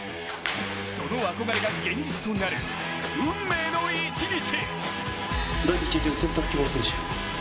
その憧れが現実となる運命の１日。